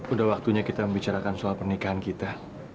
udah waktunya kita membicarakan soal pernikahan kita